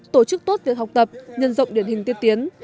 tổ chức tốt việc học tập nhân rộng điển hình tiên tiến